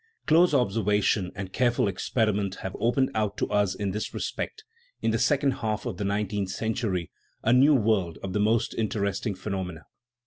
Close observa tion and careful experiment have opened out to us in this respect, in the second half of the nineteenth cen tury, a new world of the most interesting phenomena.